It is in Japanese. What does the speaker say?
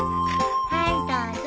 はいどうぞ。